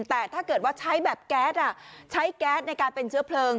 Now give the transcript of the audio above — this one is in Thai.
แต่ถ้าเกิดว่าใช้แบบแก๊สใช้แก๊สในการเป็นเชื้อเพลิง